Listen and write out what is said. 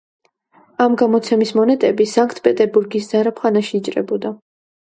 ამ გამოცემის მონეტები სანკტ-პეტერბურგის ზარაფხანაში იჭრებოდა.